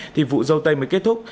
thì vụ dâu tây mới kết thúc